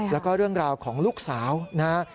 แล้วก็เรื่องราวของลูกสาวนะฮะ